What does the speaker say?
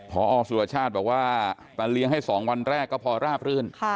พอสุรชาติบอกว่าแต่เลี้ยงให้๒วันแรกก็พอราบรื่น